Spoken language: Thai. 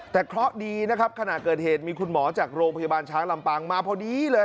แต่เคราะห์ดีนะครับขณะเกิดเหตุมีคุณหมอจากโรงพยาบาลช้างลำปางมาพอดีเลย